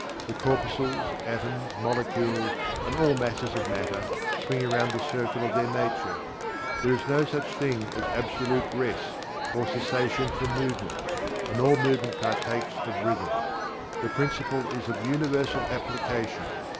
The corpuscles, atoms, molecules, and all masses of matter, swing around the circle of their nature. There is no such thing as absolute rest, or cessation from movement, and all movement partakes of rhythm. The principle is of universal application.